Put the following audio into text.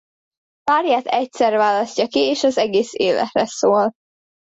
Párját egyszer választja ki és az egész életre szól.